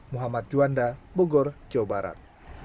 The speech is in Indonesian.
muhammad juanda bogor jawa barat